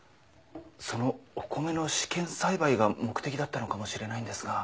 そのお米の試験栽培が目的だったのかもしれないんですが。